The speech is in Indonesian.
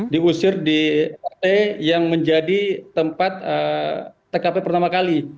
diusir di rt yang menjadi tempat tkp pertama kali